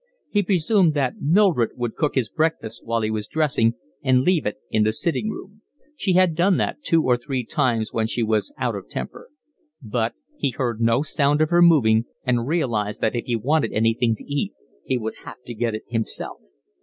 He presumed that Mildred would cook his breakfast while he was dressing and leave it in the sitting room. She had done that two or three times when she was out of temper. But he heard no sound of her moving, and realised that if he wanted anything to eat he would have to get it himself.